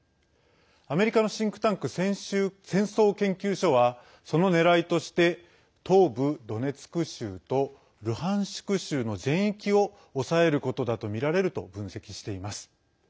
アメリカのシンクタンク戦争研究所はそのねらいとして東部ドネツク州とルハンシク州の全域を抑えることだとみられると分析しています。